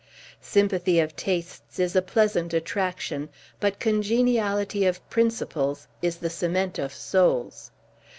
Sympathy of tastes is a pleasant attraction; but congeniality of principles is the cement of souls.